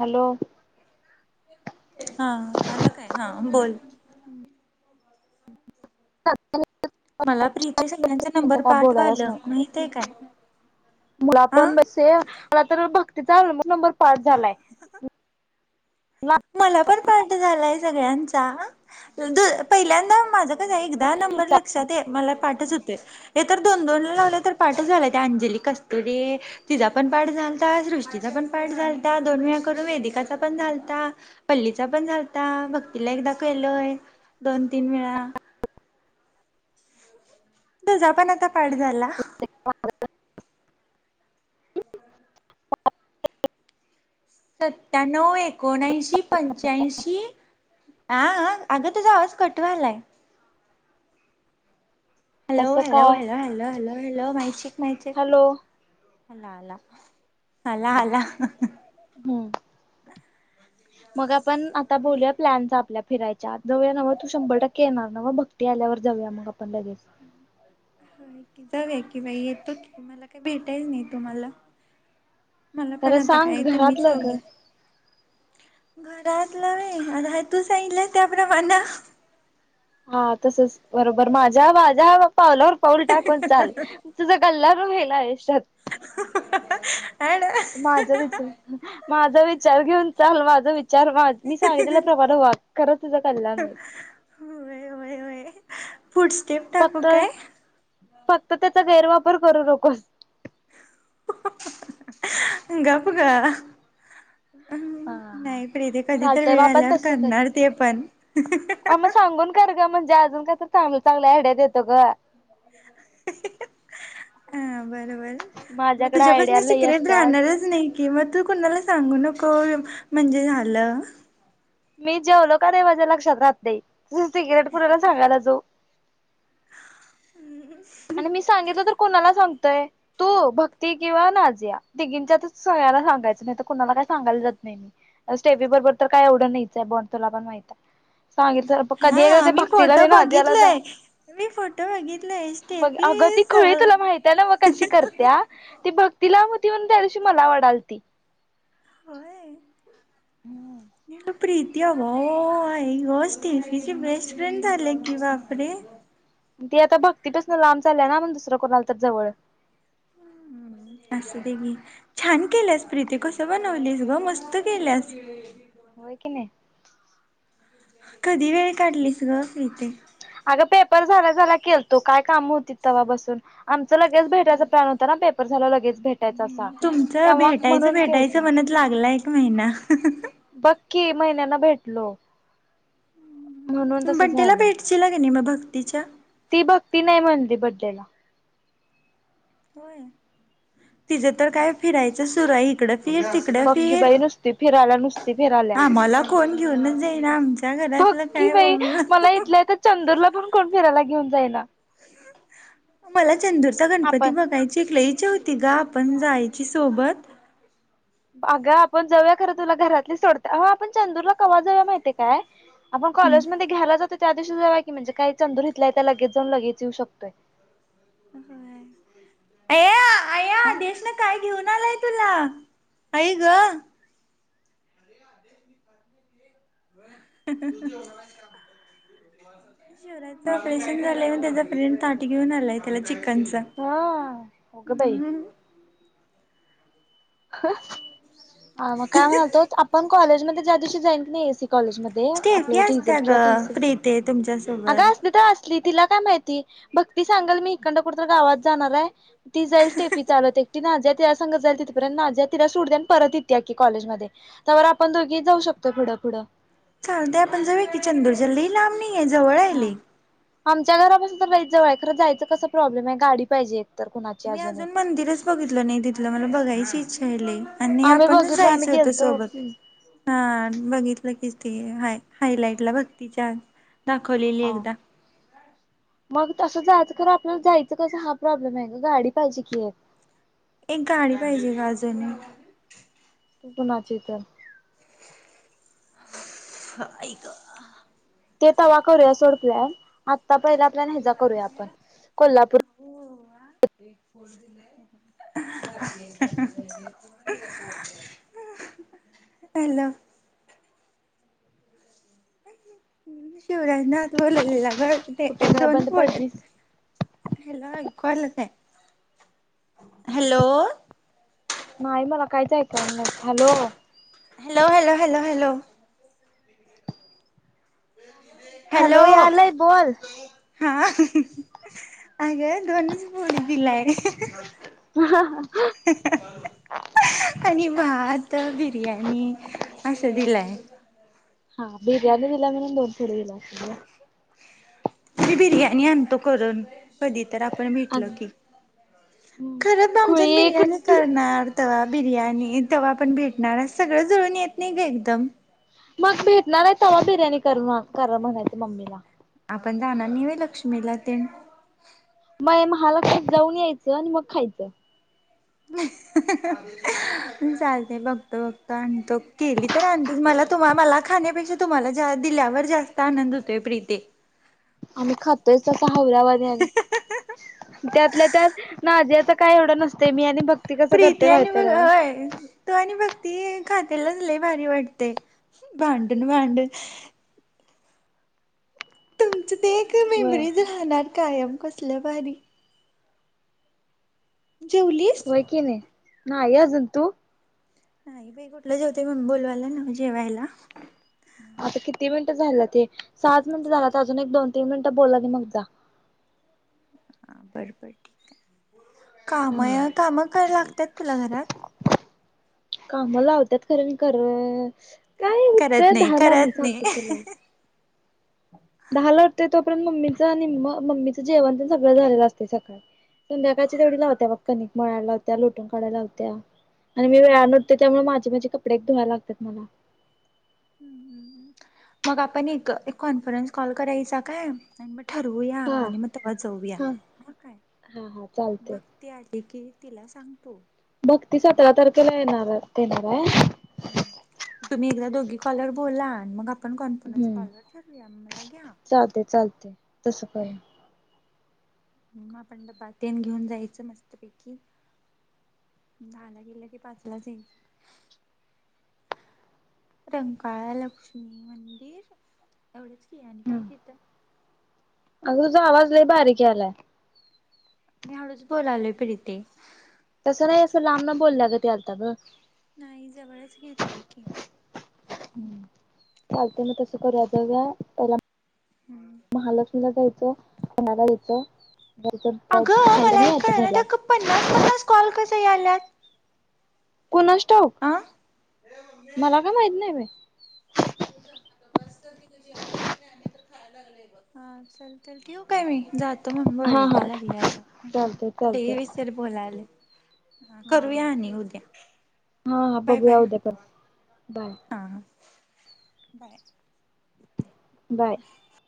Hello हां हा आला काय हा बोल ह मला प्रीते सगळ्यांचा नंबर का बोलायलाच पाठवालं नको माहित आहे काय मला आ पण बाई सेम मला तर बघ ते चाल मग नंबर पास झालाय मला पण पठ झालाय सगळ्यांचा द पहिल्यांदा माझ्या एकदा नंबर लक्षात आहे मला पाठच होतय हे तर दोन दोन लावले तर पाठच झाला ते अंजली कस्तुरी तिचा पण पाठ झालता सृष्टीचा पण पाठ झालता दोन वेळा करून वेदिकाचा पण झालता पल्लीचा पण झालता भक्तीला एकदा केलय दोन तीन वेळा तुझा पण आता पाठ झाला सत्याण्णव एकोणऐंशी पंच्याऐंशी ह अगं तरच आवाज कटवलाय हॅलो कसं हॅलो काय hello hello hello hello mic check hello अला अला अला अला हम्म मग पण आता बोलूया प्लॅनचा आपल्या फिरायच्या जाऊया ना मग तू शंभर टक्के येणार ना मग भक्ती आल्यावर जाऊया मग लगेच कि जाऊ कि बा येतो की मला काही भेटायच नाही तुम्हाला मला पण तर आता सांग काय तुम्ही घरातलं ग घराात ल होय आता तू सांगितल्यालाप्रमाणे हा तसच बरोबर माझ्या हवा पावलावर पाऊल टाकून चाल तुझ गल्लाार वईल आयुष्यात ऍड माझा विचार माझ विचार घेऊनचाल माझा विचार चार वा मी सांगितला प्रमाण वाक खरच तुझ कल्याण फूडस््टेप टाकू फक्त काय. फक्त त्याचा गैरवापर करू नकोस. गप ग अ हम नाही प्रीती कधी तर चालतंय मग वेळ आपण आल्यावर तसं करा. करणार. ते पण े अजून कायम्हाला चांगल्या आयड्या येतो ग. अ बरोबर मग माझ्याकडे आयडिया तुझ्यापासून लई सिक्रेट असत्यात. राहणारच नाही की मग तू कोणाला सांगू नको. म्हणजे झालं. मी जेवलो कणी माझ्या लक्षात राहत नाही. सिक्रेट कुणाला सांगायला जाऊ हम्म. य तू भक्ती किंवा नाजिया दिघींच्याच सगळ्यांना सांगायचं. नाही तर कुणाला काही सांगायला जात नाही. मी स्टेपी बरोबर तर काय एवढं नाहीच आहे बॉण्ड तुला पण माहितय. हाा मी फोटो नाझियाला बघितलय जाऊन मी फोटो बघितलयतील. अग त खळी तुला माहित्या ना म कशी करत्या ती भक्तीला होती. म्हण त्या दिवशी मला वडालती होय हे प्रीतया भा आई ग स्टीफीचे बेस्ट फ्रेंड झाले की बापरे. ती आता बघतीच ना लांब चालल्याय ना मग दुसरं कोण आल तर जवळ असं दे गी छान केल्यास प्रीती कस बनवलीस ग मस्त केल्यास. हो क नाही. कधी वेळ काढलीस ग इथे पेपर झाला झा केतो काय काम होती. तेव्हा बसून चलागे भेटां थला लागे ह् तुमचं भेटायचं भेटायचं केलतो म्हणत लागलं एक महिना महिन्यांना भेटलो. म्हणून तसं बंटेला झालं बेटची ला क नाही मबा चक्तीच्या ती भक्ती नाही म्हणली बदलेला होय तिचं तर काय फिरायचं सुरा आहे इकड बक्की बाई नुसती फिराला नुसती फिराल्या आम्हाला कोण घेऊनच जाईना आमच्या घरातलं बक्की काय बाई मला बोललं इथलंय तर चंदूरला पण कोण फिरायला घेऊन जायला मला चंदुरता गणपती आपण बघायची एक लईची होती गा आपण जायची सोबत अगा आपण जऊया खरं तुला घरातली सोडत अ आपण चंदूरला कवाजव माहितीय काय आपण कॉलेजमध्येध्ये घ्यायला जातो त्या दिवशी जेव की म्हणजे काही चंदूर घथलाय त्या लगेच जाऊन लगेच येऊ शकतोय हो अ आ देशन काय घेऊन आलाय ला ई ग शिवराच ऑपरेशन झालंय त्याचा फ्रेंड ताट घेऊन आलाय त्याला चिक हा उघदाई ह ह मग काय म्हणतो आपण कॉलेज मध्ये ज्या दिवशी जाईन नाहीक स्टेफी असते ग प्रीते तुमच्या अग असते अस तिला काय माहिती बक्ती सांगल मी इड कुठ गावात जाणार आहे ती जाईल्टेफी चाल ते ती नाजीया तिच्या सग जाईल तिथपर्यंत नाजीया तिला सोडती परत येतीया कि कॉलेज मध्ये तवर आपण दोघी जाऊ शकतो पुुढं पुढ चालतंय आपण जाऊ कि चंदूर जल लय लांब नाही. हा आमच्या घरापासून तर लईच जवळ आहे. खरं जायचं कसा प्रॉब्लेम आहे गाडी पाहिजे? तर कुणाची मी एक अजून मंदिरच बघितलं नाही तिथलं मला बघायचं. शेले. आणि आम्ही आपण बघितलं आम्ही जायचं होत गेलतो सोबत हा बघितलं की तेे आहे. हायलाईट ला भक्तीच्या. दाखवलेली हा एकदा. मग तसं जायचं आपल्याला जायचं कसं हा प्रॉब्लेम आहे गाडी पाहिजे की एक? एक गाडी पाहिजे का अजून एक कोणाची तर आई ग ते तवा करूया सोड प्लॅन आता आता पहिला आपल्याला हे जा करूया आपण कोल्हापूर हॅलो. शिवराजनात बोलाले ला. कुठे ते जरा दोन बंद पडलीस हॅलो ऐकू आला काय? हॅलो. नाही मला काहीच ऐकू आल नाही hello. Hello hello hello hello hello यायल बोल. हा अगं फोडी दिलाय. आणि म तर आणि असं दिलंय. हा बिर्याणी दिला म्हणून दोन फोडी दिला. मी बिर्याणी आणतो करून कधीचं. तर आपण भेटल अग की खरं आमच्यात खुळी बिर्याणी कुठली करणार. तेव्हा बिर्याणी तेव्हा आपण भेटणार सगळं जुळून येत नाही ग एकदम. मग भेटणार आहे तेव्हा बिर्याणी करून करा म्हणायचं मम्मीला. आपण जाणार न लक्ष्मीला ते? होय महालक्ष्मी ते जाऊन यायचं आणि मग खायचं. चालते बघतो बघतो आणतो केली तर आण मला तुम्हा मला खाण्यापेक्षा तुम्हाला दिल्यावर जास्त आनंद होतोय प्रीते. आम्ही खातोय तसा हौऱ्यावाणी आणि त्यातल्या त्यात नादीया तर काय एवढं नसते मी आणि भक्ती कसं प्रीती करते आणि माहिती बघ आहे नव्ह हयो तु आणि भक्ती. खातीला लय भारी वाटते भांडून भांडून ते एक व्हय मेंबरीज राहणार कायम कसल्या भारी जेवलीस? होय कि नाही नाई अजून तु नाही बाई कुठलं जेवतोय मम्मी बोलावल्या नव्ह जेवायला आता किती मिनिटं झाला ते सात मिनिट झाल्यात अजून एक दोन तीन मिनिटं बोल आणि मग जा हां बरं बरं ठीक आहे काम यार काम करायला लागतात तुला घरात काम लावत्यात खरं मी करररर करत नाही करत नाही तुला. दहाला उटते तोपर्यंत मम्मीचं निम्म मम्मीचं जेवण तेन सगळं झालेलं असतय सकाळी संध्याकाळची तेवढी लावत्या बघ कनिक मळायला लावत्या लुटून काढायला लावत्या आणि मी वेळाान उटतोय त्यामुळे माझे माझे कपडे एक धुवायला लागतात मला मग आपण एक कॉन्फरन्स कॉल करायचा काय ठरवूया हा आणि मग तेव्हा जाऊया हा ह काय हा हा चालतंय. भक्ती आली की तिला सांगतो भक्ती सतरा तारखेला येणाराय तुमही एकदा दोघी कॉलवर बोला मग आप पण कॉन्फरन्स हम्म कॉलर ठरूया मला घ्या चालतंय चालतंय तसं करू. हम आपण डबातेन घेऊन जायचं मस्तपैकी दहा ला गेलं की पाचलायचं रंकाळा लक्ष्मी मंदिर एवढंच कि आणि काय तिथं अग तुझा आवाज लई बारीक यायलाय मी हळूच बोलालोय प्रीती तसं नाही असं लांबन बोलल्या गत यालता ग नाही जवळच घेतलाय की चालते मग तसं करूया जाऊ्या पहिला महालक्ष्मीला जायचं पुणाला दय अगं मला कळना त्या पन्नास पन्नास कॉल कस आल्यात कुणास ठाऊक मला काय माहित नाही बाई हा चल ठेवू काय मी ज मग हा वरडा हा लागल्या आता चालतंय चालतंय लई उशर बोलालोय हा करूया आणि उद्या ह हा हा बाय बाय बघूया उद्या तर बाय हां हां बाय बाय